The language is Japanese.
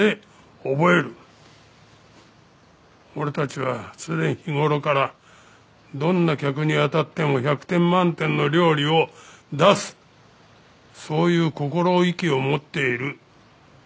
俺たちは常日頃からどんな客にあたっても１００点満点の料理を出すそういう心意気を持っている。